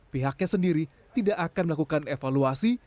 pihaknya sendiri tidak akan melakukan evaluasi